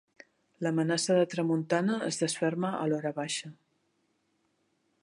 L'amenaça de tramuntana es desferma a l'horabaixa.